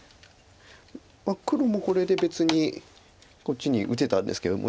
黒もこれで別にこっちに打てたんですけども。